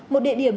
một địa điểm